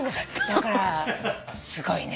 だからすごいね。